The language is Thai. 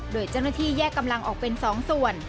โดยเจ้าหน้าที่แยกกำลังออกเป็น๒ส่วน